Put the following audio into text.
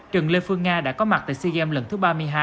trần lê phương nga đã có mặt tại sea games lần thứ ba mươi hai